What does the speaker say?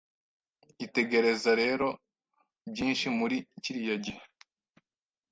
Itegereza rero byinshi muri kiriya gihe